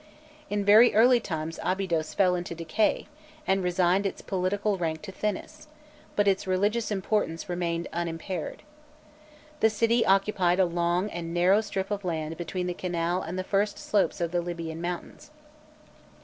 In very early times Abydos fell into decay, and resigned its political rank to Thinis, but its religious importance remained unimpaired. The city occupied a long and narrow strip of land between the canal and the first slopes of the Libyan mountains.